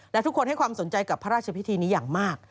และทุกคนให้ความสนใจกับพระราชพิธีนี้อย่างมาก